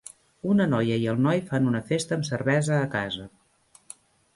una noia i el noi fan una festa amb cervesa a casa